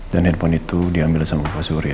dan handphone itu diambil sama bapak surya